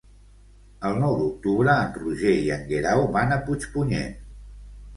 El nou d'octubre en Roger i en Guerau van a Puigpunyent.